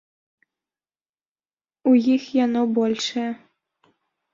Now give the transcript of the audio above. У іх яно большае.